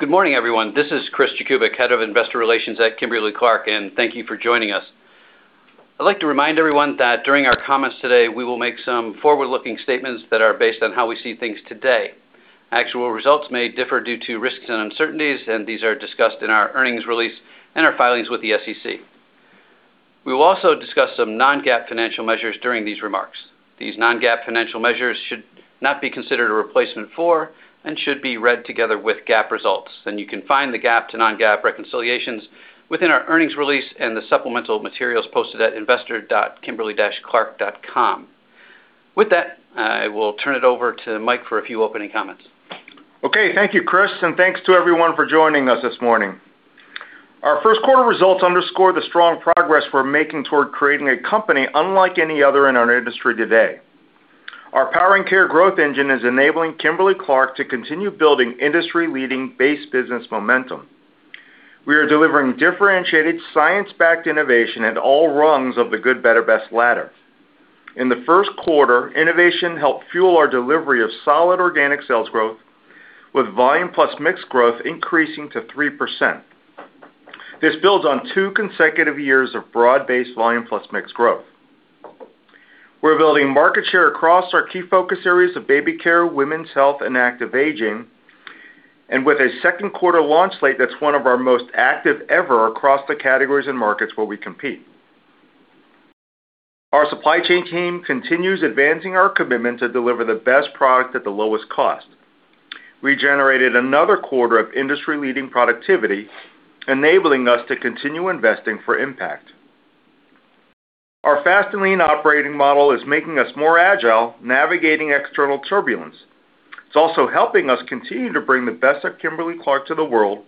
Good morning, everyone. This is Chris Jakubik, Head of Investor Relations at Kimberly-Clark, and thank you for joining us. I'd like to remind everyone that during our comments today, we will make some forward-looking statements that are based on how we see things today. Actual results may differ due to risks and uncertainties, and these are discussed in our earnings release and our filings with the SEC. We will also discuss some non-GAAP financial measures during these remarks. These non-GAAP financial measures should not be considered a replacement for and should be read together with GAAP results. You can find the GAAP to non-GAAP reconciliations within our earnings release and the supplemental materials posted at investor.kimberly-clark.com. With that, I will turn it over to Mike for a few opening comments. Okay. Thank you, Chris, and thanks to everyone for joining us this morning. Our first quarter results underscore the strong progress we're making toward creating a company unlike any other in our industry today. Our Powering Care growth engine is enabling Kimberly-Clark to continue building industry-leading base business momentum. We are delivering differentiated science-backed innovation at all rungs of the good, better, best ladder. In the first quarter, innovation helped fuel our delivery of solid organic sales growth with volume plus mix growth increasing to 3%. This builds on two consecutive years of broad-based volume plus mix growth. We're building market share across our key focus areas of baby care, women's health, and active aging, and with a second quarter launch slate that's one of our most active ever across the categories and markets where we compete. Our supply chain team continues advancing our commitment to deliver the best product at the lowest cost. We generated another quarter of industry-leading productivity, enabling us to continue investing for impact. Our fast and lean operating model is making us more agile, navigating external turbulence. It's also helping us continue to bring the best of Kimberly-Clark to the world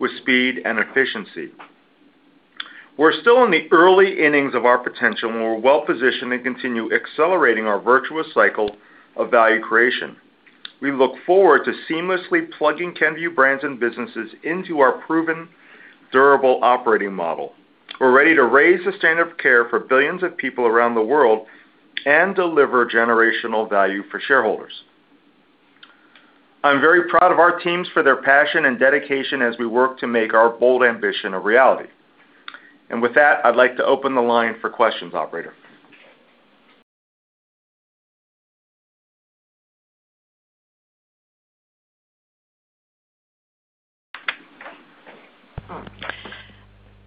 with speed and efficiency. We're still in the early innings of our potential, and we're well positioned to continue accelerating our virtuous cycle of value creation. We look forward to seamlessly plugging Kenvue brands and businesses into our proven, durable operating model. We're ready to raise the standard of care for billions of people around the world and deliver generational value for shareholders. I'm very proud of our teams for their passion and dedication as we work to make our bold ambition a reality. With that, I'd like to open the line for questions, operator.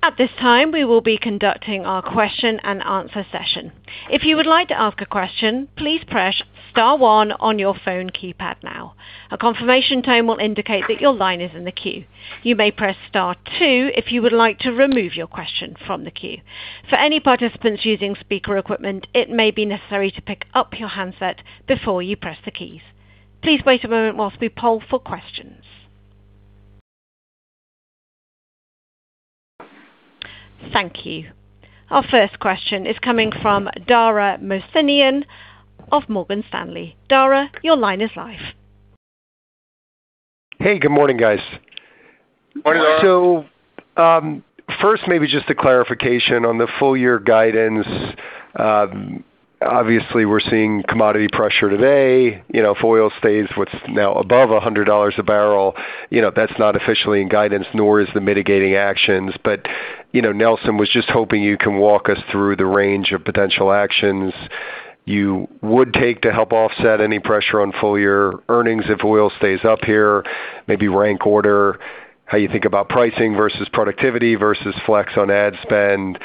At this time, we will be conducting our question and answer session. If you would like to ask a question, please press star one on your phone keypad now. A confirmation tone will indicate that your line is in the queue. You may press star two if you would like to remove your question from the queue. For any participants using speaker equipment, it may be necessary to pick up your handset before you press the keys. Please wait a moment whilst we poll for questions. Thank you. Our first question is coming from Dara Mohsenian of Morgan Stanley. Dara, your line is live. Hey, good morning, guys. Morning, Dara. First, maybe just a clarification on the full year guidance. Obviously, we're seeing commodity pressure today. You know, if oil stays what's now above $100 a barrel, you know, that's not officially in guidance, nor is the mitigating actions. You know, Nelson was just hoping you can walk us through the range of potential actions you would take to help offset any pressure on full-year earnings if oil stays up here, maybe rank order, how you think about pricing versus productivity versus flex on ad spend.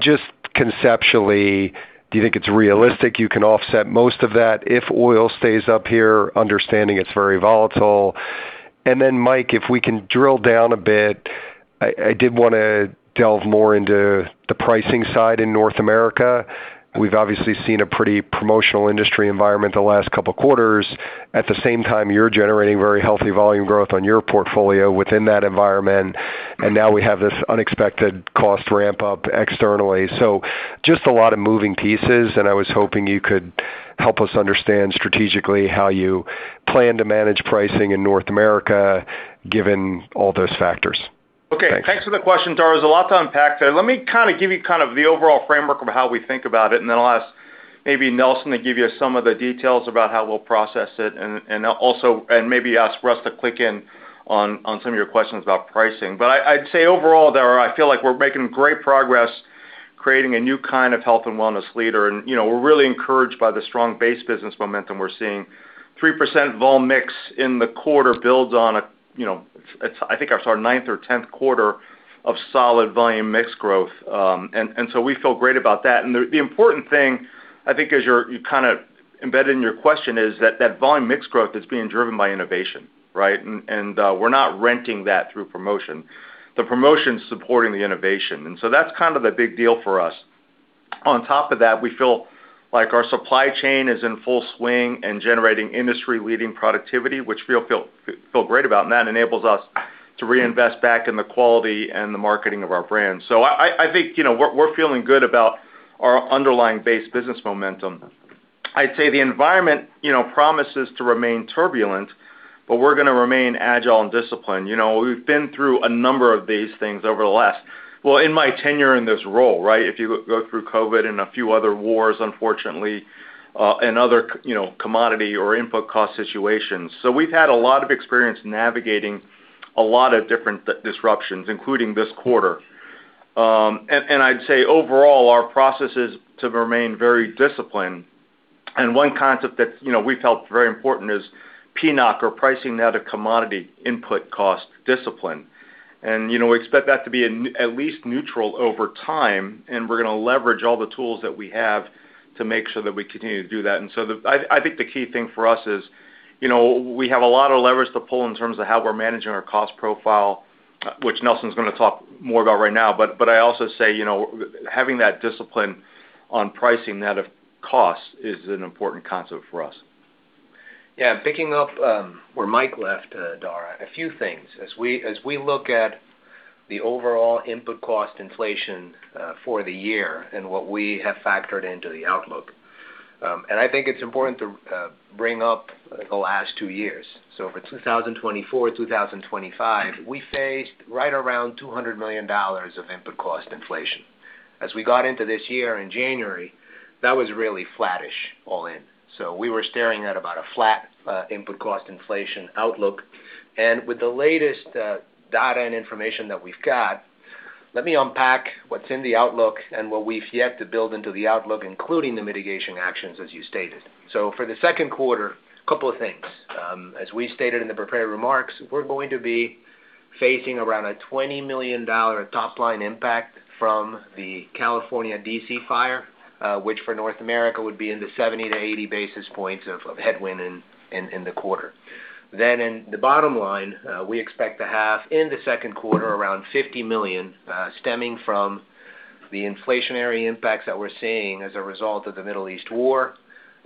Just conceptually, do you think it's realistic you can offset most of that if oil stays up here, understanding it's very volatile? Mike, if we can drill down a bit, I did wanna delve more into the pricing side in North America. We've obviously seen a pretty promotional industry environment the last couple quarters. At the same time, you're generating very healthy volume growth on your portfolio within that environment, and now we have this unexpected cost ramp up externally. Just a lot of moving pieces, and I was hoping you could help us understand strategically how you plan to manage pricing in North America, given all those factors. Okay. Thanks for the question, Dara. There's a lot to unpack there. Let me kind of give you kind of the overall framework of how we think about it, then I'll ask maybe Nelson to give you some of the details about how we'll process it and maybe ask Russ to click in on some of your questions about pricing. I'd say overall, Dara, I feel like we're making great progress creating a new kind of health and wellness leader. You know, we're really encouraged by the strong base business momentum we're seeing. 3% vol mix in the quarter builds on a, you know, it's, I think our sort of ninth or tenth quarter of solid volume mix growth, and so we feel great about that. The important thing, I think as you kinda embedded in your question is that that volume/mix growth is being driven by innovation, right? We're not renting that through promotion. The promotion's supporting the innovation, that's kind of the big deal for us. On top of that, we feel like our supply chain is in full swing and generating industry-leading productivity, which we feel great about, and that enables us to reinvest back in the quality and the marketing of our brand. I think, you know, we're feeling good about our underlying base business momentum. I'd say the environment, you know, promises to remain turbulent, but we're gonna remain agile and disciplined. You know, we've been through a number of these things. Well, in my tenure in this role, right? If you go through COVID and a few other wars, unfortunately, and other commodity or input cost situations. We've had a lot of experience navigating a lot of different disruptions, including this quarter. I'd say overall, our processes to remain very disciplined. One concept that, you know, we felt very important is PNOC or Pricing Net of Commodity input cost discipline. You know, we expect that to be at least neutral over time, and we're gonna leverage all the tools that we have to make sure that we continue to do that. I think the key thing for us is, you know, we have a lot of levers to pull in terms of how we're managing our cost profile, which Nelson's gonna talk more about right now. I also say, you know, having that discipline on pricing net of cost is an important concept for us. Yeah. Picking up where Mike left, Dara, a few things. As we look at the overall input cost inflation for the year and what we have factored into the outlook, I think it's important to bring up the last two years. For 2024, 2025, we faced right around $200 million of input cost inflation. As we got into this year in January, that was really flattish all in. We were staring at about a flat input cost inflation outlook. With the latest data and information that we've got, let me unpack what's in the outlook and what we've yet to build into the outlook, including the mitigation actions, as you stated. For the second quarter, a couple of things. As we stated in the prepared remarks, we're going to be facing around a $20 million top-line impact from the California D.C. fire, which for North America would be in the 70 basis points-80 basis points of headwind in the quarter. In the bottom line, we expect to have, in the second quarter, around $50 million stemming from the inflationary impacts that we're seeing as a result of the Middle East war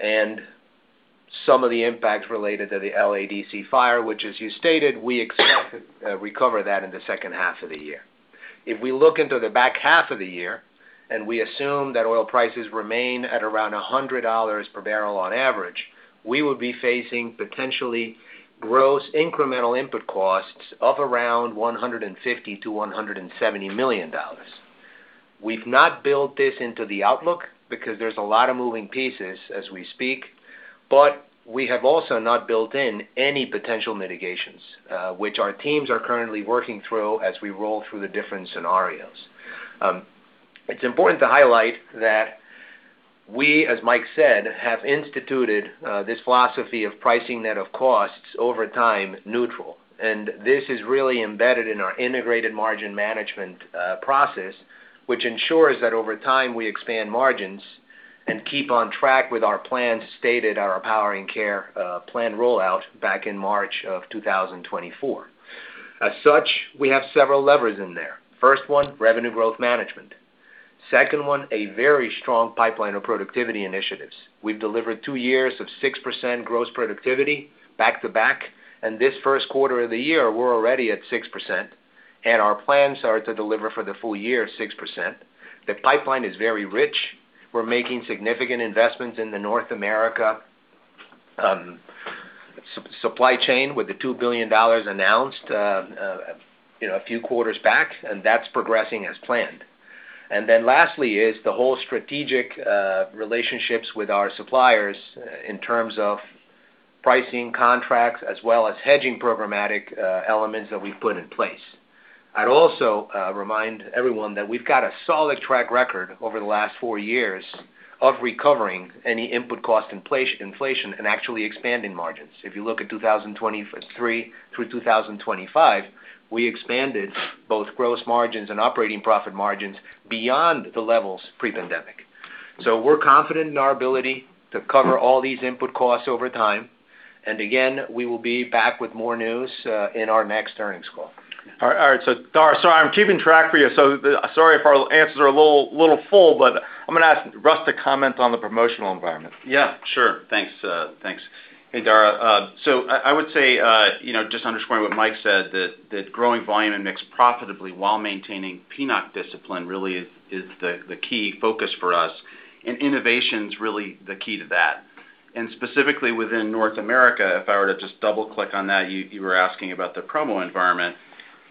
and some of the impacts related to the L.A. D.C. fire, which, as you stated, we expect to recover that in the second half of the year. If we look into the back half of the year and we assume that oil prices remain at around $100 per barrel on average, we will be facing potentially gross incremental input costs of around $150 million-$170 million. We've not built this into the outlook because there's a lot of moving pieces as we speak, we have also not built in any potential mitigations, which our teams are currently working through as we roll through the different scenarios. It's important to highlight that we, as Mike said, have instituted this philosophy of pricing net of costs over time neutral, and this is really embedded in our integrated margin management process, which ensures that over time, we expand margins and keep on track with our plan stated at our Powering Care plan rollout back in March 2024. As such, we have several levers in there. First one, revenue growth management. Second one, a very strong pipeline of productivity initiatives. We've delivered two years of 6% gross productivity back to back, and this 1st quarter of the year, we're already at 6%, and our plans are to deliver for the full year 6%. The pipeline is very rich. We're making significant investments in the North America supply chain with the $2 billion announced, you know, a few quarters back, and that's progressing as planned. Lastly is the whole strategic relationships with our suppliers in terms of pricing contracts as well as hedging programmatic elements that we've put in place. I'd also remind everyone that we've got a solid track record over the last four years of recovering any input cost inflation and actually expanding margins. If you look at 2023 through 2025, we expanded both gross margins and operating profit margins beyond the levels pre-pandemic. We're confident in our ability to cover all these input costs over time. We will be back with more news in our next earnings call. All right. Dara, sorry, I'm keeping track for you. Sorry if our answers are a little full. I'm going to ask Russ to comment on the promotional environment. Yeah, sure. Thanks. Thanks. Hey, Dara. I would say, you know, just underscoring what Mike said that growing volume and mix profitably while maintaining PNOC discipline really is the key focus for us, and innovation's really the key to that. Specifically within North America, if I were to just double-click on that, you were asking about the promo environment.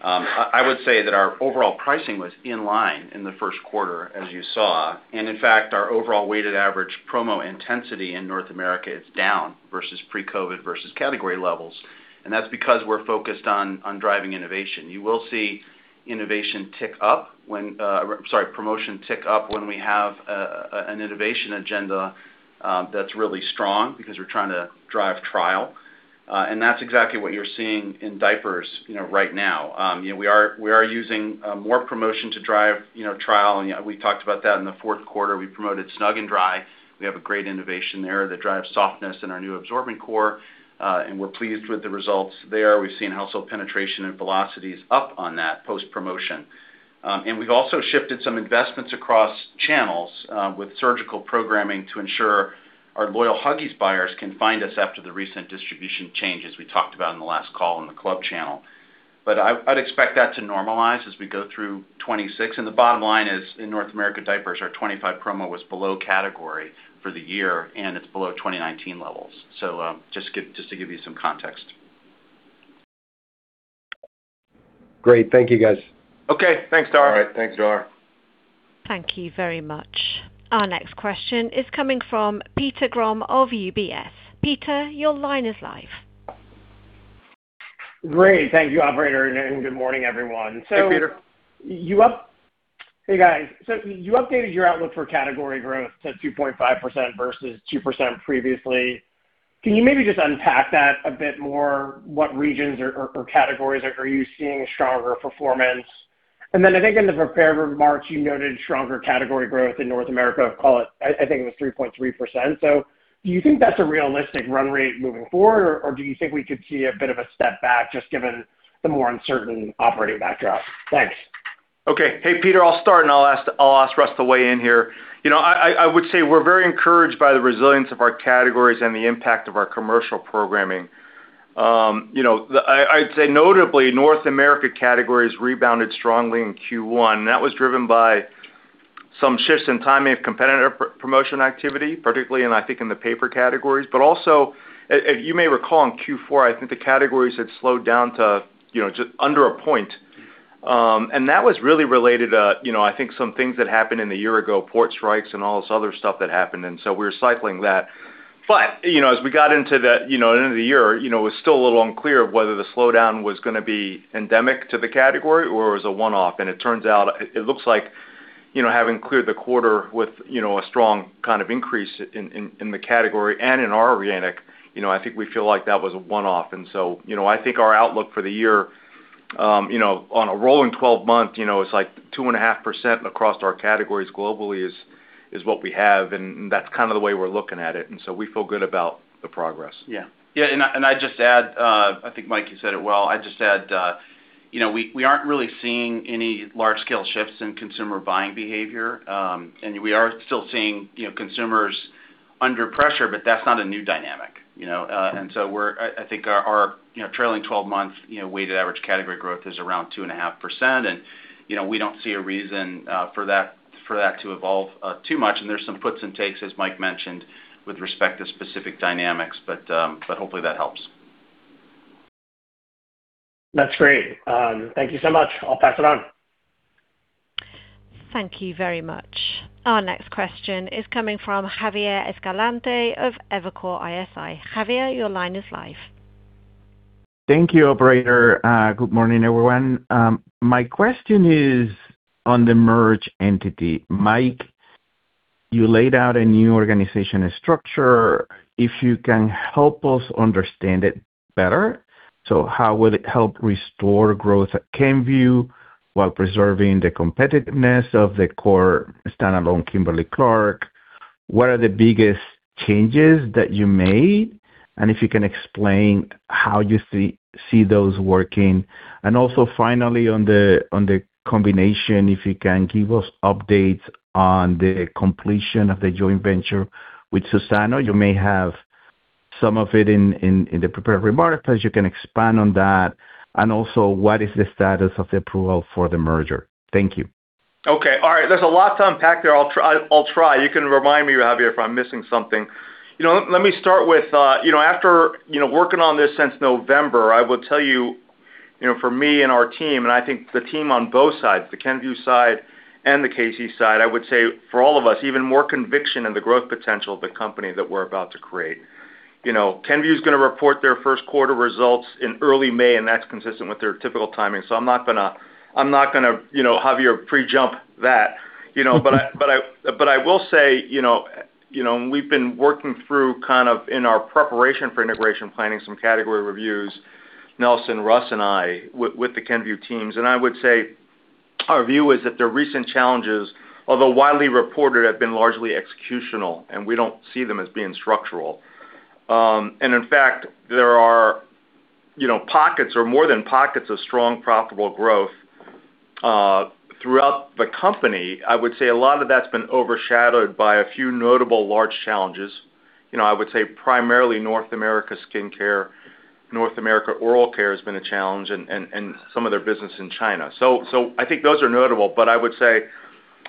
I would say that our overall pricing was in line in the first quarter, as you saw. In fact, our overall weighted average promo intensity in North America is down versus pre-COVID versus category levels. That's because we're focused on driving innovation. You will see promotion tick up when we have a an innovation agenda that's really strong because we're trying to drive trial. That's exactly what you're seeing in diapers, you know, right now. You know, we are using more promotion to drive, you know, trial, you know, we talked about that in the fourth quarter. We promoted Snug & Dry. We have a great innovation there that drives softness in our new absorbent core, we're pleased with the results there. We've seen household penetration and velocities up on that post-promotion. We've also shifted some investments across channels with surgical programming to ensure our loyal Huggies buyers can find us after the recent distribution changes we talked about in the last call in the club channel. I'd expect that to normalize as we go through 2026. The bottom line is, in North America diapers, our 2025 promo was below category for the year, and it's below 2019 levels. Just to give you some context. Great. Thank you, guys. Okay, thanks, Dar. All right, thanks, Dar. Thank you very much. Our next question is coming from Peter Grom of UBS. Peter, your line is live. Great. Thank you, operator, and good morning, everyone. Hey, Peter. Hey, guys. You updated your outlook for category growth to 2.5% versus 2% previously. Can you maybe just unpack that a bit more? What regions or categories are you seeing stronger performance? I think in the prepared remarks, you noted stronger category growth in North America, call it I think it was 3.3%. Do you think that's a realistic run rate moving forward? Do you think we could see a bit of a step back just given the more uncertain operating backdrop? Thanks. Okay. Hey, Peter, I'll start. I'll ask Russ to weigh in here. You know, I would say we're very encouraged by the resilience of our categories and the impact of our commercial programming. You know, I'd say notably, North America categories rebounded strongly in Q1. That was driven by some shifts in timing of competitor promotion activity, particularly in, I think, in the paper categories, but also, you may recall in Q4, I think the categories had slowed down to, you know, under a point. That was really related to, you know, I think some things that happened in the year ago, port strikes and all this other stuff that happened. We're cycling that. You know, as we got into that, you know, end of the year, you know, it was still a little unclear whether the slowdown was gonna be endemic to the category or it was a one-off. It turns out it looks like, you know, having cleared the quarter with, you know, a strong kind of increase in the category and in our organic, you know, I think we feel like that was a one-off. You know, I think our outlook for the year, you know, on a rolling 12-month, you know, it's like 2.5% across our categories globally is what we have, and that's kind of the way we're looking at it, and so we feel good about the progress. Yeah. Yeah, I just add, I think, Mike, you said it well. I just add, you know, we aren't really seeing any large-scale shifts in consumer buying behavior, and we are still seeing, you know, consumers under pressure, but that's not a new dynamic, you know? I think our, you know, trailing 12-month, you know, weighted average category growth is around 2.5%, and, you know, we don't see a reason for that to evolve too much. There's some puts and takes, as Mike mentioned, with respect to specific dynamics. But hopefully that helps. That's great. Thank you so much. I'll pass it on. Thank you very much. Our next question is coming from Javier Escalante of Evercore ISI. Javier, your line is live. Thank you, operator. Good morning, everyone. My question is on the merge entity. Mike, you laid out a new organizational structure, if you can help us understand it better. How will it help restore growth at Kenvue while preserving the competitiveness of the core standalone Kimberly-Clark? What are the biggest changes that you made? If you can explain how you see those working. Finally on the combination, if you can give us updates on the completion of the joint venture with Suzano. You may have some of it in the prepared remarks, as you can expand on that. What is the status of the approval for the merger? Thank you. Okay. All right. There's a lot to unpack there. I'll try. You can remind me, Javier, if I'm missing something. You know, let me start with, you know, after, you know, working on this since November, I will tell you know, for me and our team, and I think the team on both sides, the Kenvue side and the KC side, I would say for all of us, even more conviction in the growth potential of the company that we're about to create. You know, Kenvue is gonna report their first quarter results in early May, and that's consistent with their typical timing. I'm not gonna, you know, Javier, pre-jump that, you know. I will say, you know, you know, and we've been working through kind of in our preparation for integration planning some category reviews, Nelson, Russ and I, with the Kenvue teams. I would say our view is that the recent challenges, although widely reported, have been largely executional, and we don't see them as being structural. In fact, there are, you know, pockets or more than pockets of strong profitable growth throughout the company. I would say a lot of that's been overshadowed by a few notable large challenges. You know, I would say primarily North America skincare, North America oral care has been a challenge and some of their business in China. I think those are notable, but I would say,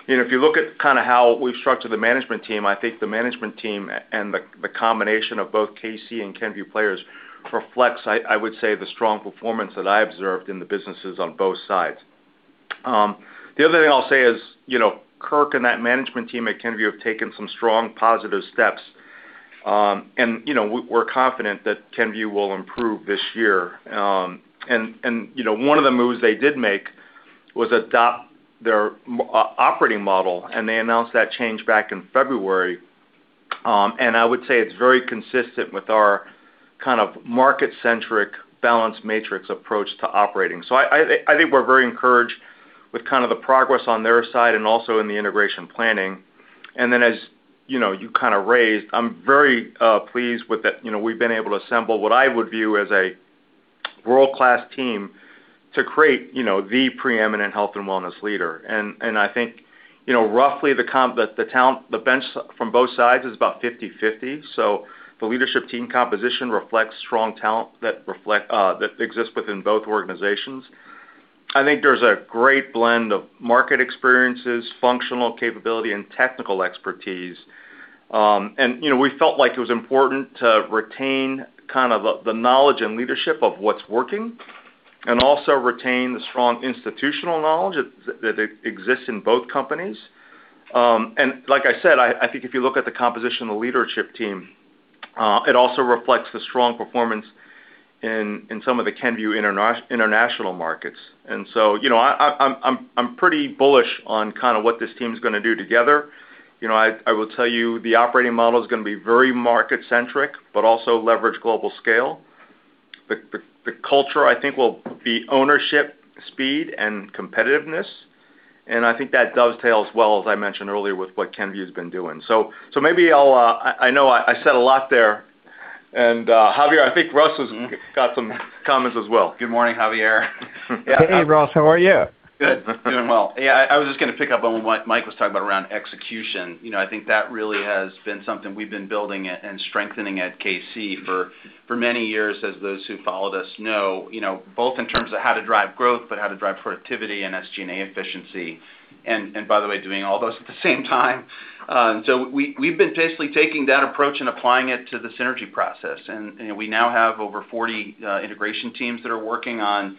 you know, if you look at kind of how we've structured the management team, I think the management team and the combination of both K-C and Kenvue players reflects, I would say, the strong performance that I observed in the businesses on both sides. The other thing I'll say is, you know, Kirk and that management team at Kenvue have taken some strong positive steps. You know, we're confident that Kenvue will improve this year. You know, one of the moves they did make was adopt their operating model, and they announced that change back in February. I would say it's very consistent with our kind of market-centric balanced matrix approach to operating. I think we're very encouraged with kind of the progress on their side and also in the integration planning. As, you know, you kind of raised, I'm very pleased with that, you know, we've been able to assemble what I would view as a world-class team to create, you know, the preeminent health and wellness leader. I think, you know, roughly the talent, the bench from both sides is about 50/50. The leadership team composition reflects strong talent that reflect that exists within both organizations. I think there's a great blend of market experiences, functional capability, and technical expertise. You know, we felt like it was important to retain kind of the knowledge and leadership of what's working and also retain the strong institutional knowledge that exists in both companies. Like I said, I think if you look at the composition of the leadership team, it also reflects the strong performance in some of the Kenvue international markets. So, you know, I'm, I'm pretty bullish on kinda what this team's gonna do together. You know, I will tell you, the operating model is gonna be very market-centric but also leverage global scale. The, the culture, I think, will be ownership, speed, and competitiveness, and I think that does tells well, as I mentioned earlier, with what Kenvue's been doing. Maybe I'll I know I said a lot there, Javier, I think Russ has got some comments as well. Good morning, Javier. Hey, Russ. How are you? Good. Doing well. Yeah, I was just gonna pick up on what Mike was talking about around execution. You know, I think that really has been something we've been building and strengthening at K-C for many years, as those who followed us know, you know, both in terms of how to drive growth, but how to drive productivity and SG&A efficiency, and by the way, doing all those at the same time. We've been basically taking that approach and applying it to the synergy process. You know, we now have over 40 integration teams that are working on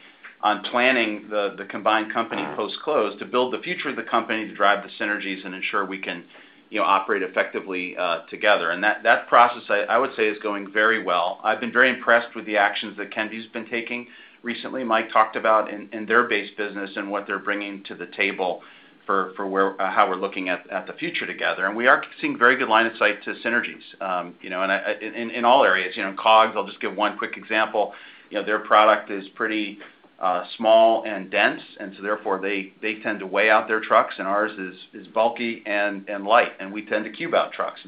planning the combined company post-close to build the future of the company to drive the synergies and ensure we can, you know, operate effectively together. That process, I would say, is going very well. I've been very impressed with the actions that Kenvue's been taking recently. Mike talked about in their base business and what they're bringing to the table for how we're looking at the future together. We are seeing very good line of sight to synergies, you know, in all areas. You know, cog, I'll just give one quick example. You know, their product is pretty small and dense, and so therefore, they tend to weigh out their trucks, and ours is bulky and light, and we tend to cube out trucks.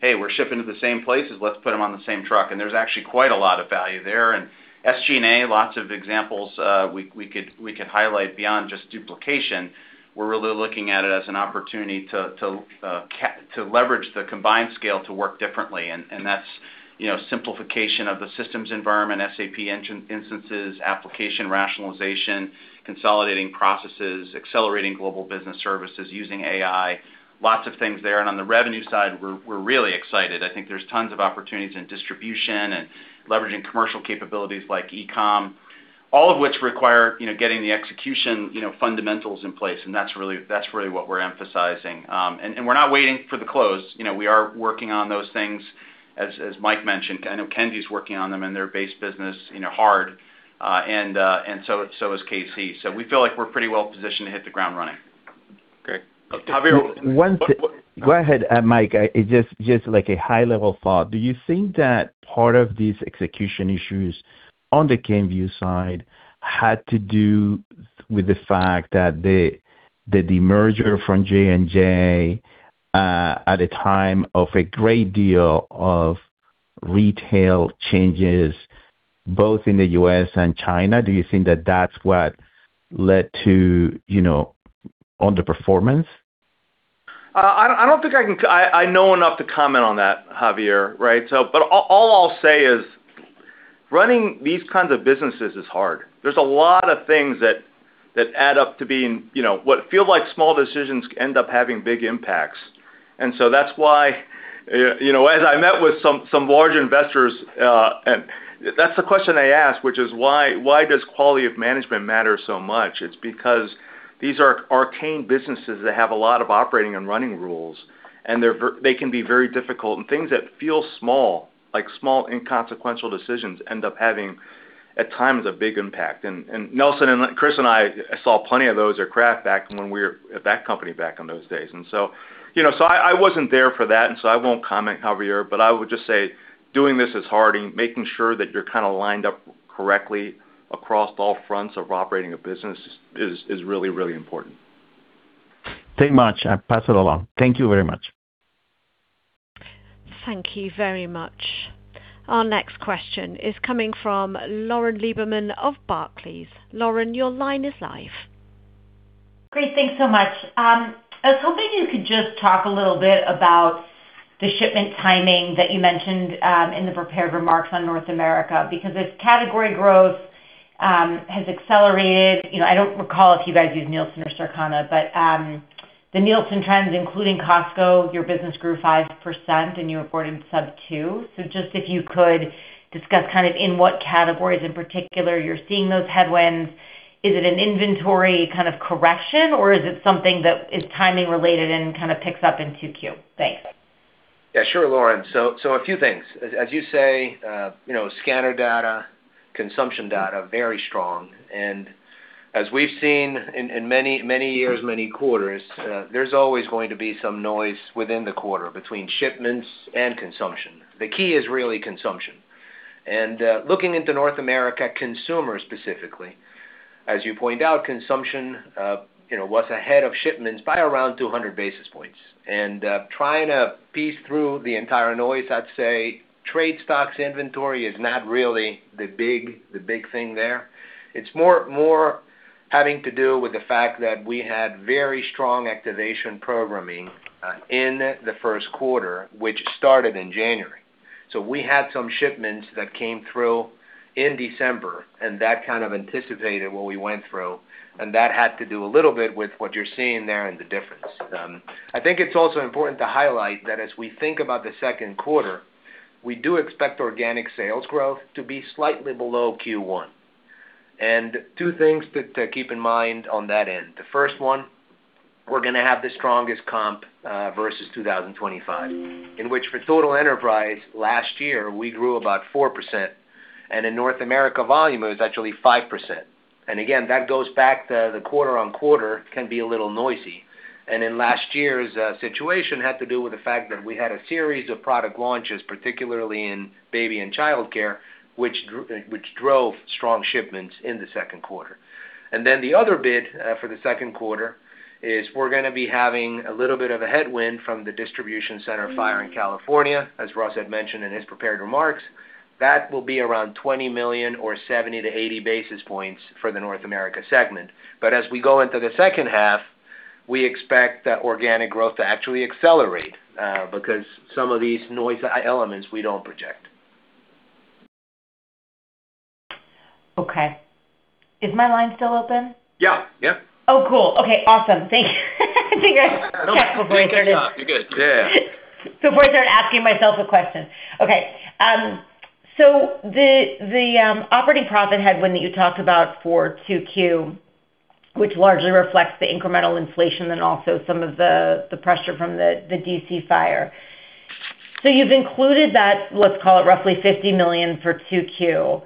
Hey, we're shipping to the same places, let's put them on the same truck. There's actually quite a lot of value there. SG&A, lots of examples, we could highlight beyond just duplication. We're really looking at it as an opportunity to leverage the combined scale to work differently. That's, you know, simplification of the systems environment, SAP engine instances, application rationalization, consolidating processes, accelerating global business services using AI. Lots of things there. On the revenue side, we're really excited. I think there's tons of opportunities in distribution and leveraging commercial capabilities like e-commerce, all of which require, you know, getting the execution, you know, fundamentals in place. That's really what we're emphasizing. We're not waiting for the close. You know, we are working on those things, as Mike mentioned. I know Kenvue's working on them in their base business, you know, hard, and so is K-C. We feel like we're pretty well positioned to hit the ground running. Great. Javier. One thing. Go ahead, Mike. Just like a high-level thought, do you think that part of these execution issues on the Kenvue side had to do with the fact that the demerger from J&J, at a time of a great deal of retail changes, both in the U.S. and China? Do you think that that's what led to, you know, underperformance? I don't think I know enough to comment on that, Javier, right? But all I'll say is running these kinds of businesses is hard. There's a lot of things that add up to being, you know, what feel like small decisions end up having big impacts. That's why, you know, as I met with some large investors, and that's the question they ask, which is why does quality of management matter so much? It's because these are arcane businesses that have a lot of operating and running rules, and they can be very difficult. Things that feel small, like small, inconsequential decisions, end up having, at times, a big impact. Nelson and Chris and I saw plenty of those at Kraft back from when we were at that company back in those days. You know, I wasn't there for that, and so I won't comment, Javier, but I would just say, doing this is hard, and making sure that you're kinda lined up correctly across all fronts of operating a business is really important. Thank much. I'll pass it along. Thank you very much. Thank you very much. Our next question is coming from Lauren Lieberman of Barclays. Lauren, your line is live. Great. Thanks so much. I was hoping you could just talk a little bit about the shipment timing that you mentioned in the prepared remarks on North America, because as category growth has accelerated, you know, I don't recall if you guys use Nielsen or Circana, but the Nielsen trends, including Costco, your business grew 5% and you reported sub-2%. Just if you could discuss kind of in what categories in particular you're seeing those headwinds. Is it an inventory kind of correction, or is it something that is timing related and kind of picks up in Q2? Thanks. Yeah, sure, Lauren. A few things. As you say, you know, scanner data, consumption data, very strong. As we've seen in many years, many quarters, there's always going to be some noise within the quarter between shipments and consumption. The key is really consumption. Looking into North America consumer specifically, as you point out, consumption, you know, was ahead of shipments by around 200 basis points. Trying to piece through the entire noise, I'd say trade stocks inventory is not really the big thing there. It's more having to do with the fact that we had very strong activation programming in the first quarter, which started in January. We had some shipments that came through in December, and that kind of anticipated what we went through. That had to do a little bit with what you're seeing there and the difference. I think it's also important to highlight that as we think about the second quarter, we do expect organic sales growth to be slightly below Q1. Two things to keep in mind on that end. The first one, we're gonna have the strongest comp versus 2025, in which for total enterprise, last year, we grew about 4%, and in North America volume, it was actually 5%. Again, that goes back to the quarter-on-quarter can be a little noisy. In last year's situation had to do with the fact that we had a series of product launches, particularly in baby and childcare, which drove strong shipments in the second quarter. The other bit for the second quarter is we're gonna be having a little bit of a headwind from the distribution center fire in California, as Russ Torres had mentioned in his prepared remarks. That will be around $20 million or 70 to 80 basis points for the North America segment. As we go into the second half, we expect that organic growth to actually accelerate because some of these noisy elements, we don't project. Okay. Is my line still open? Yeah. Yep. Oh, cool. Okay, awesome. Thank you. I think I checked before I started. No, you're good. Yeah, yeah. Before I started asking myself a question. Okay. The operating profit headwind that you talked about for Q2, which largely reflects the incremental inflation and also some of the pressure from the D.C. fire. You've included that, let's call it roughly $50 million for Q2.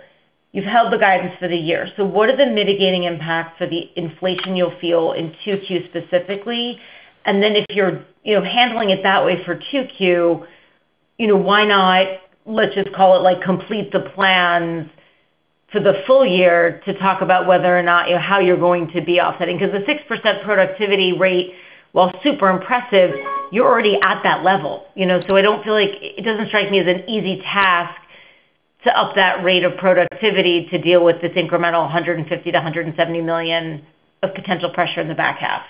You've held the guidance for the year. What are the mitigating impacts for the inflation you'll feel in Q2 specifically? If you're, you know, handling it that way for Q2, you know, why not, let's just call it like complete the plans for the full year to talk about whether or not how you're going to be offsetting? Because the 6% productivity rate, while super impressive, you're already at that level, you know. It doesn't strike me as an easy task to up that rate of productivity to deal with this incremental $150 million-$170 million of potential pressure in the back half.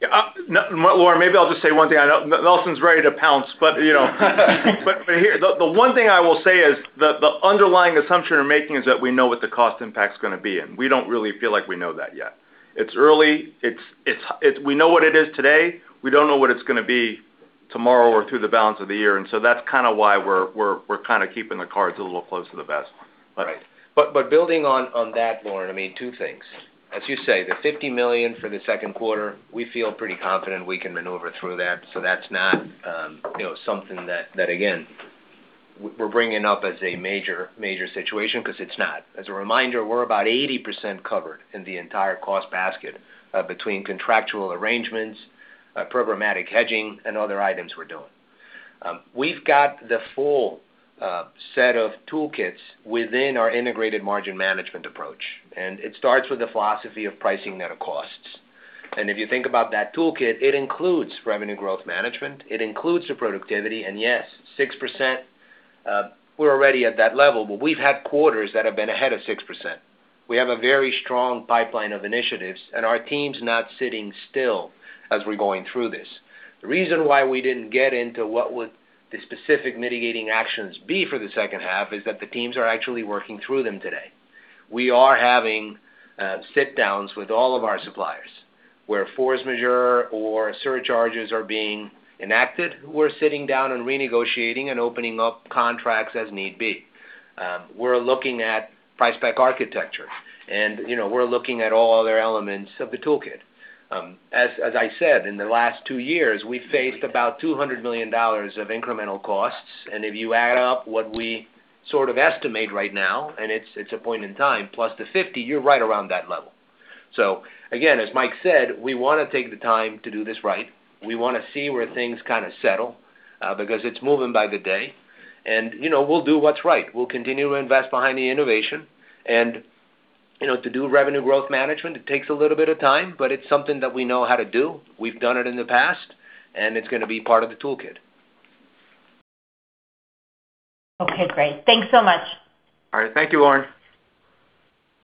Yeah, Lauren, maybe I'll just say one thing. I know Nelson's ready to pounce, but, you know, but here, the one thing I will say is the underlying assumption we're making is that we know what the cost impact's gonna be, and we don't really feel like we know that yet. It's early. We know what it is today. We don't know what it's gonna be tomorrow or through the balance of the year. That's kinda why we're kinda keeping the cards a little close to the vest. Right. Building on that, Lauren, I mean, two things. As you say, the $50 million for the 2Q, we feel pretty confident we can maneuver through that. That's not, you know, something that again, we're bringing up as a major situation 'cause it's not. As a reminder, we're about 80% covered in the entire cost basket, between contractual arrangements, programmatic hedging, and other items we're doing. We've got the full set of toolkits within our integrated margin management approach, and it starts with the philosophy of pricing net of costs. If you think about that toolkit, it includes Revenue Growth Management, it includes the productivity, and yes, 6%, we're already at that level, but we've had quarters that have been ahead of 6%. We have a very strong pipeline of initiatives, and our team's not sitting still as we're going through this. The reason why we didn't get into what would the specific mitigating actions be for the second half is that the teams are actually working through them today. We are having sit downs with all of our suppliers, where force majeure or surcharges are being enacted, we're sitting down and renegotiating and opening up contracts as need be. We're looking at price spec architecture, and, you know, we're looking at all other elements of the toolkit. As, as I said, in the last two years, we've faced about $200 million of incremental costs. If you add up what we sort of estimate right now, and it's a point in time, plus the $50, you're right around that level. Again, as Mike said, we wanna take the time to do this right. We wanna see where things kinda settle because it's moving by the day. You know, we'll do what's right. We'll continue to invest behind the innovation. You know, to do revenue growth management, it takes a little bit of time, but it's something that we know how to do. We've done it in the past. It's gonna be part of the toolkit. Okay, great. Thanks so much. All right. Thank you, Lauren.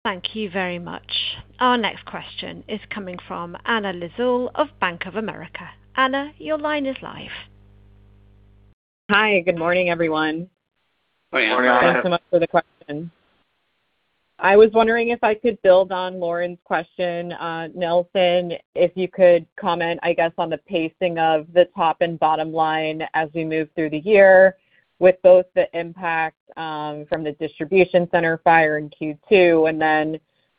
Thank you very much. Our next question is coming from Anna Lizzul of Bank of America. Anna, your line is live. Hi, good morning, everyone. Good morning, Anna. Thanks so much for the question. I was wondering if I could build on Lauren's question. Nelson, if you could comment, I guess, on the pacing of the top and bottom line as we move through the year with both the impact from the distribution center fire in Q2, and then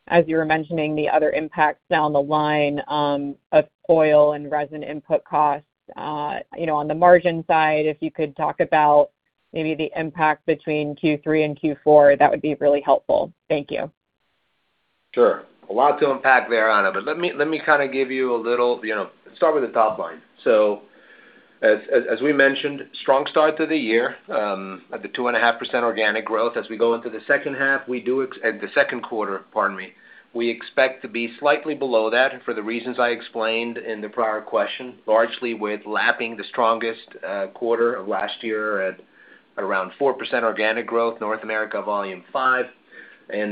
as you were mentioning, the other impacts down the line, of oil and resin input costs. You know, on the margin side, if you could talk about maybe the impact between Q3 and Q4, that would be really helpful. Thank you. Sure. A lot to unpack there, Anna, but let me kinda give you a little, you know, start with the top line. As we mentioned, strong start to the year, at the 2.5% organic growth. As we go into the second half, the second quarter, pardon me, we expect to be slightly below that for the reasons I explained in the prior question, largely with lapping the strongest quarter of last year at around 4% organic growth. North America volume 5.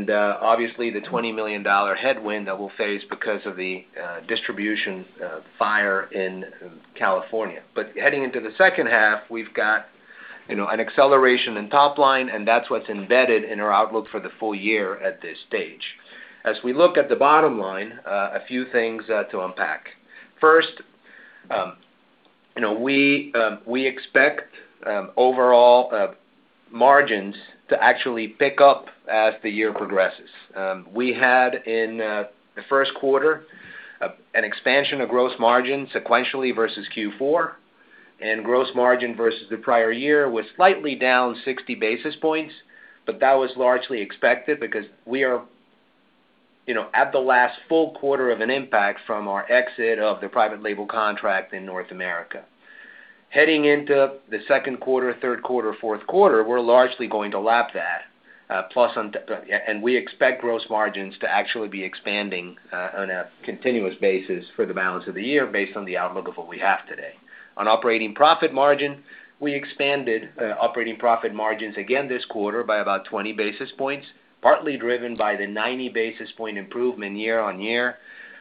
Obviously the $20 million headwind that we'll face because of the distribution fire in California. Heading into the second half, we've got, you know, an acceleration in top line, and that's what's embedded in our outlook for the full year at this stage. As we look at the bottom line, a few things to unpack. First, you know, we expect overall margins to actually pick up as the year progresses. We had in the first quarter an expansion of gross margin sequentially versus Q4, and gross margin versus the prior year was slightly down 60 basis points. That was largely expected because we are, you know, at the last full quarter of an impact from our exit of the private label contract in North America. Heading into the second quarter, third quarter, fourth quarter, we're largely going to lap that. We expect gross margins to actually be expanding on a continuous basis for the balance of the year based on the outlook of what we have today. On operating profit margin, we expanded operating profit margins again this quarter by about 20 basis points, partly driven by the 90 basis point improvement year-over-year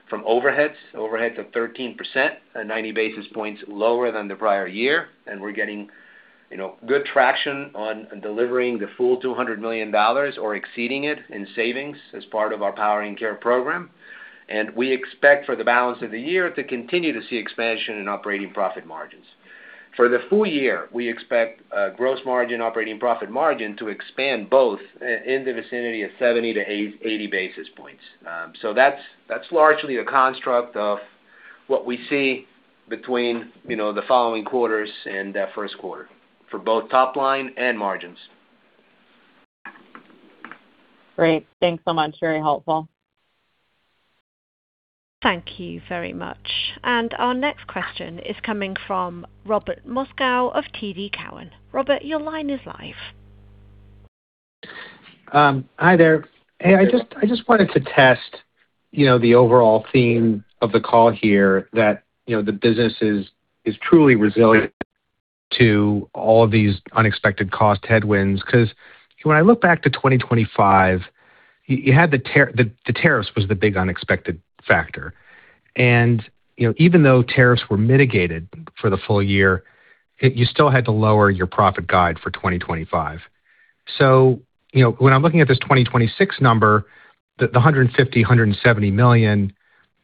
from overheads. Overheads of 13% and 90 basis points lower than the prior year. We're getting, you know, good traction on delivering the full $200 million or exceeding it in savings as part of our Powering Care program. We expect for the balance of the year to continue to see expansion in operating profit margins. For the full year, we expect gross margin, operating profit margin to expand both in the vicinity of 70 basis points-80 basis points. That's largely a construct of what we see between, you know, the following quarters and the first quarter for both top line and margins. Great. Thanks so much. Very helpful. Thank you very much. Our next question is coming from Robert Moskow of TD Cowen. Robert, your line is live. Hi there. Hey, I just wanted to test, you know, the overall theme of the call here that, you know, the business is truly resilient to all of these unexpected cost headwinds 'cause when I look back to 2025, you had the tariffs was the big unexpected factor. You know, even though tariffs were mitigated for the full year, you still had to lower your profit guide for 2025. You know, when I'm looking at this 2026 number, the $150 million, $170 million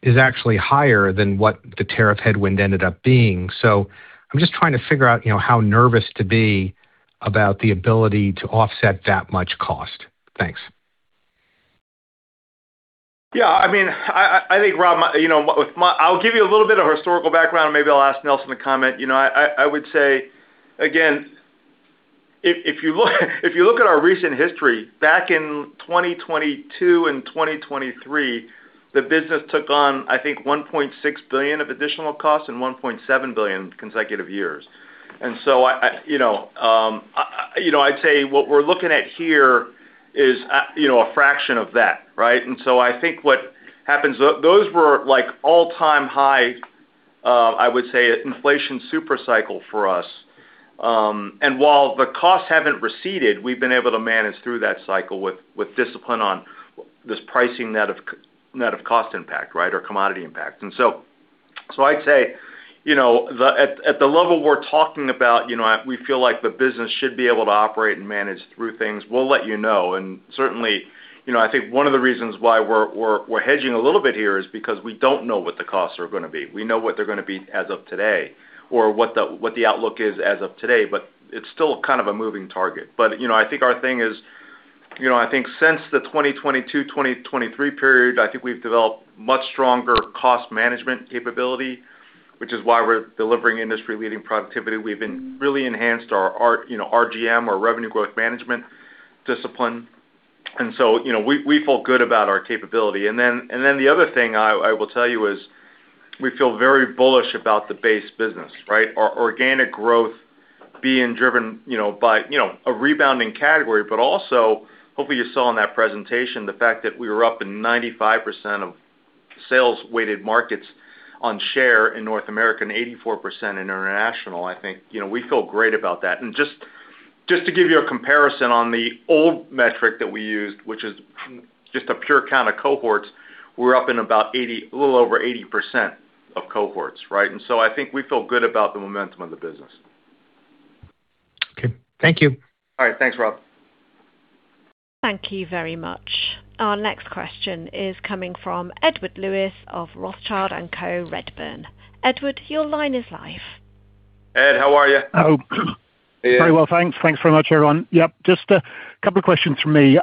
is actually higher than what the tariff headwind ended up being. I'm just trying to figure out, you know, how nervous to be about the ability to offset that much cost. Thanks. Yeah, I mean, I think, Rob, I'll give you a little bit of historical background, and maybe I'll ask Nelson to comment. You know, I would say, again, if you look at our recent history back in 2022 and 2023, the business took on, I think, $1.6 billion of additional costs and $1.7 billion consecutive years. I, you know, you know, I'd say what we're looking at here is a, you know, a fraction of that, right? I think what happens though, those were like all-time high, I would say inflation super cycle for us. While the costs haven't receded, we've been able to manage through that cycle with discipline on this pricing net of cost impact right or commodity impact. I'd say, you know, at the level we're talking about, you know, we feel like the business should be able to operate and manage through things. We'll let you know. Certainly, you know, I think one of the reasons why we're hedging a little bit here is because we don't know what the costs are gonna be. We know what they're gonna be as of today or what the outlook is as of today, but it's still kind of a moving target. You know, I think our thing is, you know, I think since the 2022, 2023 period, I think we've developed much stronger cost management capability, which is why we're delivering industry-leading productivity. We've really enhanced our, you know, RGM or revenue growth management discipline. You know, we feel good about our capability. The other thing I will tell you is we feel very bullish about the base business, right? Our organic growth being driven, you know, by, you know, a rebounding category, but also hopefully you saw in that presentation the fact that we were up in 95% of sales weighted markets on share in North America and 84% in international. I think, you know, we feel great about that. Just to give you a comparison on the old metric that we used, which is just a pure count of cohorts, we're up in about 80%, a little over 80% of cohorts, right? I think we feel good about the momentum of the business. Okay. Thank you. All right. Thanks, Rob. Thank you very much. Our next question is coming from Edward Lewis of Rothschild & Co Redburn. Edward, your line is live. Ed, how are you? Oh, very well, thanks. Thanks very much, everyone. Yep, just a couple of questions from me.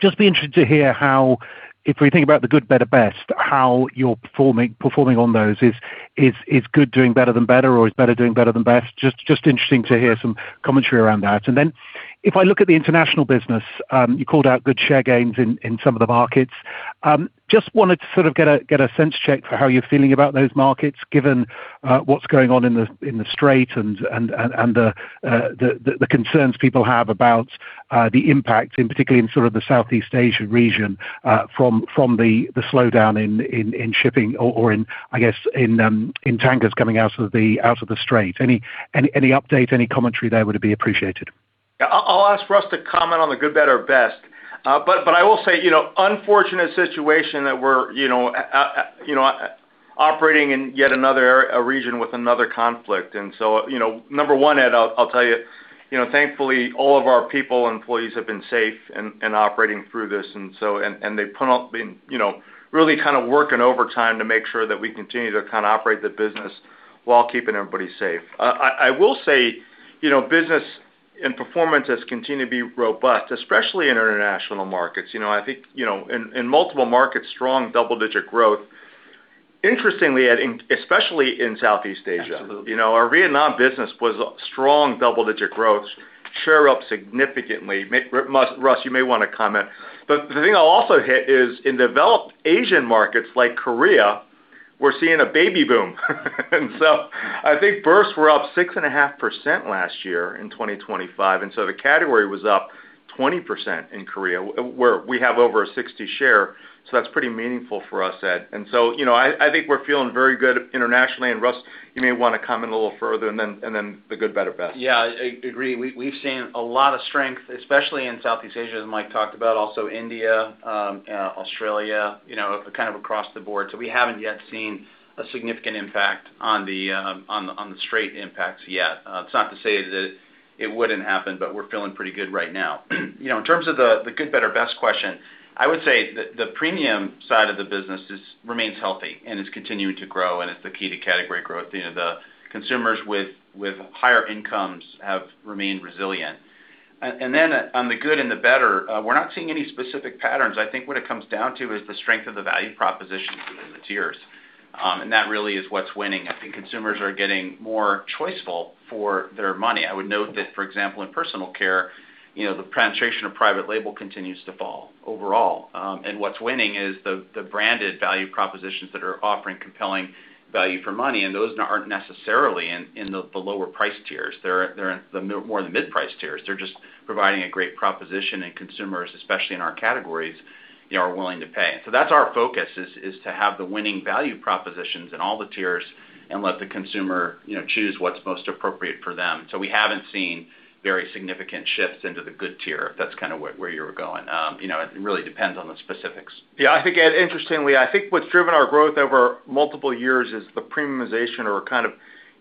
Just be interested to hear how, if we think about the good, better, best, how you're performing on those. Is good doing better than better, or is better doing better than best? Just interesting to hear some commentary around that. If I look at the international business, you called out good share gains in some of the markets. Just wanted to sort of get a sense check for how you're feeling about those markets, given what's going on in the Strait and the concerns people have about the impact in particularly in sort of the Southeast Asian region, from the slowdown in shipping or in, I guess, in tankers coming out of the Strait. Any update, any commentary there would be appreciated. I'll ask Russ to comment on the good, better, best. I will say, you know, unfortunate situation that we're, you know, operating in yet another region with another conflict. You know, number one, Ed, I'll tell you know, thankfully all of our people and employees have been safe in operating through this. They've put up, you know, really kind of working overtime to make sure that we continue to kind of operate the business while keeping everybody safe. I will say, you know, business and performance has continued to be robust, especially in international markets. You know, I think, you know, in multiple markets, strong double-digit growth. Interestingly, Ed, especially in Southeast Asia. Absolutely. You know, our Vietnam business was strong double-digit growth, share up significantly. Russ, you may wanna comment. The thing I'll also hit is in developed Asian markets like Korea, we're seeing a baby boom. I think births were up 6.5% last year in 2025, and so the category was up 20% in Korea, where we have over a 60% share. That's pretty meaningful for us, Ed. You know, I think we're feeling very good internationally, and Russ, you may wanna comment a little further and then the good, better, best. I agree. We've seen a lot of strength, especially in Southeast Asia, as Mike talked about, also India, Australia, you know, kind of across the board. We haven't yet seen a significant impact on the Strait of Hormuz impacts yet. It's not to say that it wouldn't happen, but we're feeling pretty good right now. You know, in terms of the good, better, best question, I would say the premium side of the business remains healthy and is continuing to grow, and it's the key to category growth. You know, the consumers with higher incomes have remained resilient. On the Good and the Better, we're not seeing any specific patterns. I think what it comes down to is the strength of the value propositions within the tiers, and that really is what's winning. I think consumers are getting more choiceful for their money. I would note that, for example, in personal care, you know, the penetration of private label continues to fall overall. And what's winning is the branded value propositions that are offering compelling value for money, and those aren't necessarily in the lower price tiers. They're more in the mid-price tiers. They're just providing a great proposition, and consumers, especially in our categories, they are willing to pay. That's our focus is to have the winning value propositions in all the tiers and let the consumer, you know, choose what's most appropriate for them. We haven't seen very significant shifts into the good tier. That's kind of where you were going. You know, it really depends on the specifics. I think, Edward, interestingly, I think what's driven our growth over multiple years is the premiumization or kind of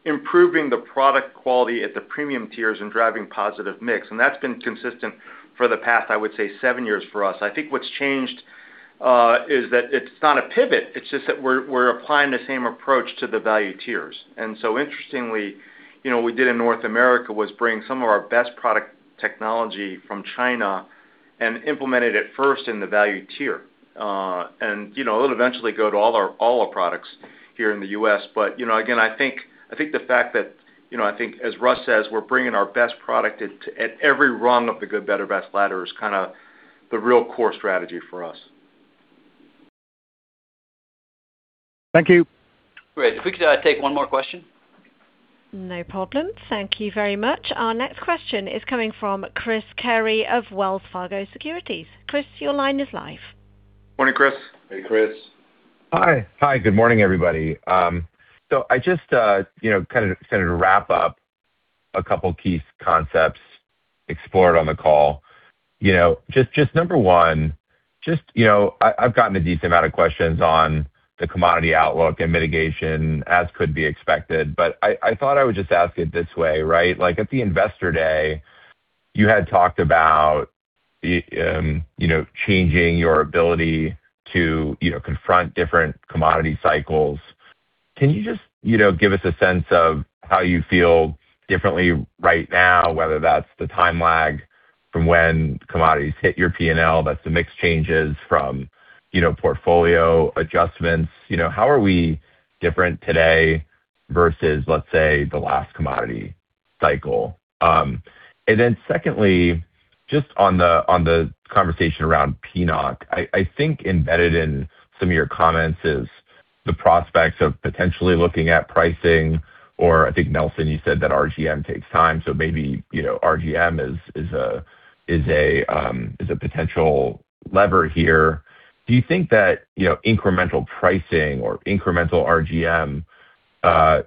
improving the product quality at the premium tiers and driving positive mix. That's been consistent for the past, I would say, seven years for us. I think what's changed, is that it's not a pivot, it's just that we're applying the same approach to the value tiers. Interestingly, you know, what we did in North America was bring some of our best product technology from China and implement it at first in the value tier. You know, it'll eventually go to all our products here in the U.S. You know, again, I think the fact that, you know, I think as Russ says, we're bringing our best product at every rung of the good, better, best ladder is kinda the real core strategy for us. Thank you. Great. If we could take one more question. No problem. Thank you very much. Our next question is coming from Chris Carey of Wells Fargo Securities. Chris, your line is live. Morning, Chris. Hey, Chris. Hi, good morning, everybody. I just, you know, kind of to wrap up a couple key concepts explored on the call. You know, just number one, you know, I've gotten a decent amount of questions on the commodity outlook and mitigation as could be expected, but I thought I would just ask it this way, right? At the Investor Day, you had talked about, you know, changing your ability to, you know, confront different commodity cycles. Can you just, you know, give us a sense of how you feel differently right now, whether that's the time lag from when commodities hit your P&L, that's the mix changes from, you know, portfolio adjustments. You know, how are we different today versus, let's say, the last commodity cycle? Secondly, just on the, on the conversation around PNOC, I think embedded in some of your comments is the prospects of potentially looking at pricing, or I think, Nelson, you said that RGM takes time, so maybe, you know, RGM is a, is a potential lever here. Do you think that, you know, incremental pricing or incremental RGM,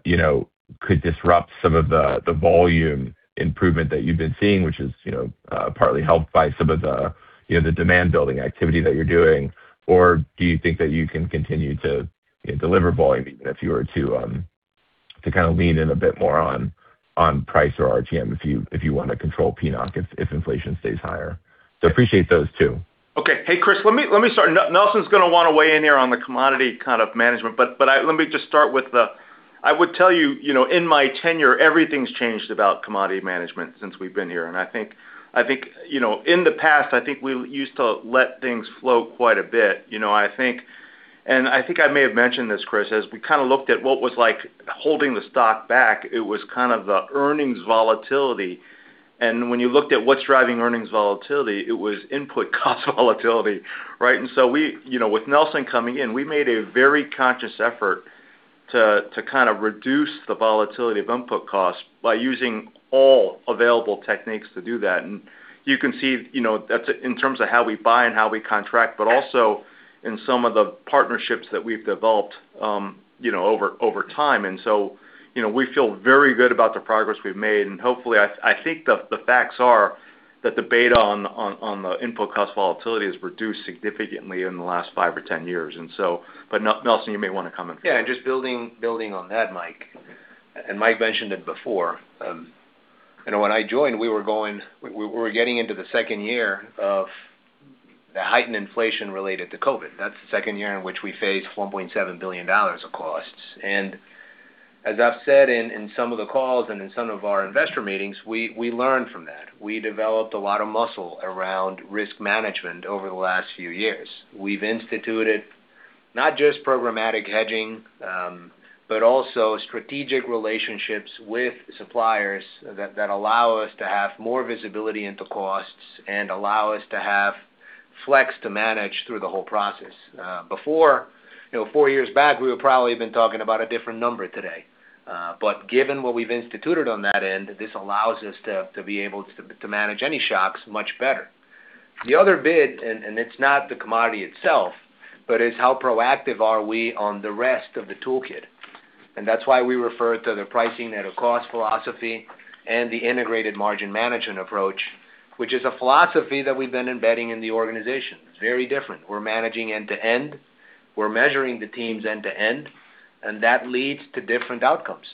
you know, could disrupt some of the volume improvement that you've been seeing, which is, you know, partly helped by some of the, you know, the demand-building activity that you're doing? Do you think that you can continue to, you know, deliver volume even if you were to kind of lean in a bit more on price or RGM if you, if you wanna control PNOC if inflation stays higher? Appreciate those two. Okay. Hey, Chris, let me start. Nelson's gonna wanna weigh in here on the commodity kind of management, but I would tell you know, in my tenure, everything's changed about commodity management since we've been here. I think, you know, in the past, I think we used to let things flow quite a bit. You know, I think I may have mentioned this, Chris, as we kinda looked at what was like holding the stock back, it was kind of the earnings volatility. When you looked at what's driving earnings volatility, it was input cost volatility, right? You know, with Nelson coming in, we made a very conscious effort to kind of reduce the volatility of input costs by using all available techniques to do that. You can see, you know, that's in terms of how we buy and how we contract, but also in some of the partnerships that we've developed, you know, over time. You know, we feel very good about the progress we've made and hopefully. I think the facts are that the beta on the input cost volatility has reduced significantly in the last five or 10 years. Nelson, you may wanna come in. Yeah, just building on that, Mike mentioned it before, you know, when I joined, we were getting into the second year of the heightened inflation related to COVID. That's the second year in which we faced $1.7 billion of costs. As I've said in some of the calls and in some of our investor meetings, we learned from that. We developed a lot of muscle around risk management over the last few years. We've instituted not just programmatic hedging, but also strategic relationships with suppliers that allow us to have more visibility into costs and allow us to have flex to manage through the whole process. Before, you know, four years back, we would probably been talking about a different number today. Given what we've instituted on that end, this allows us to be able to manage any shocks much better. The other bit, it's not the commodity itself, but is how proactive are we on the rest of the toolkit. That's why we refer to the pricing at a cost philosophy and the integrated margin management approach, which is a philosophy that we've been embedding in the organization. It's very different. We're managing end to end. We're measuring the teams end to end, that leads to different outcomes.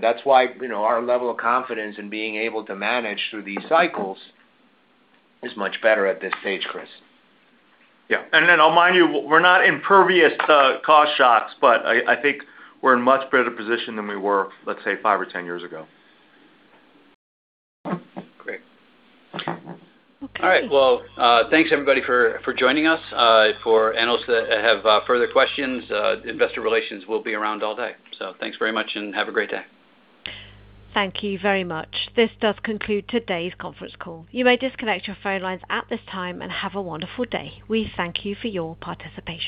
That's why, you know, our level of confidence in being able to manage through these cycles is much better at this stage, Chris. Yeah. I'll remind you, we're not impervious to cost shocks, but I think we're in much better position than we were, let's say, five or 10 years ago. Great. Okay. All right. Well, thanks everybody for joining us. For analysts that have further questions, Investor Relations will be around all day. Thanks very much and have a great day. Thank you very much. This does conclude today's conference call. You may disconnect your phone lines at this time and have a wonderful day. We thank you for your participation.